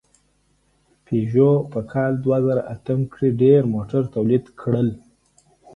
پيژو په کال دوهزرهاتم کې ډېر موټر تولید کړل.